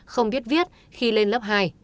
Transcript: không biết viết khi lên lớp hai